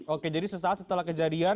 oke jadi sesaat setelah kejadian